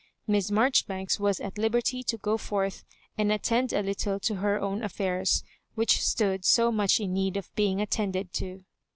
Miss Marjoribanks was at liberty to go forth and at tend a little to her own affairs, which stood so much in need of being attended to.